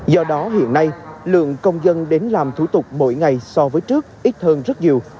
do đó hiện nay lượng công dân đến làm thủ tục mỗi ngày so với trước ít hơn rất nhiều